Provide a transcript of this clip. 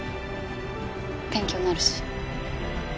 勉強になるし。